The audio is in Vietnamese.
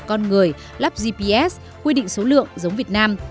con người lắp gps quy định số lượng giống việt nam